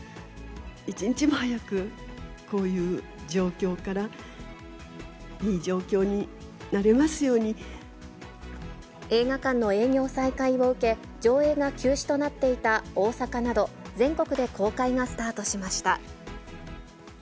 一日も早くこういう状況から、映画館の営業再開を受け、上映が休止となっていた大阪など、全国で公開がスタートしました。